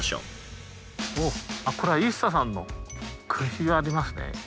これは一茶さんの句碑がありますね。